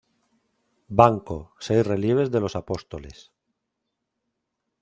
Banco; seis relieves de los apóstoles.